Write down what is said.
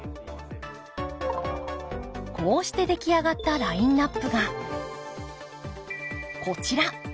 こうして出来上がったラインナップがこちら。